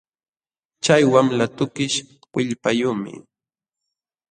Chay wamla tukish willpayuqmi